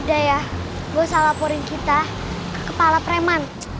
udah ya gua salah laporin kita ke kepala preman